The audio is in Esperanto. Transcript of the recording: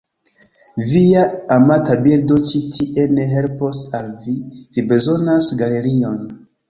Via amata bildo ĉi tie ne helpos al vi, vi bezonas galerion.